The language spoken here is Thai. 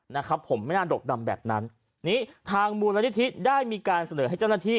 นะครับผมไม่น่าดกดำแบบนั้นนี้ทางมูลนิธิได้มีการเสนอให้เจ้าหน้าที่